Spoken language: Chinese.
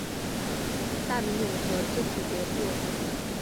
大明永和至此结束。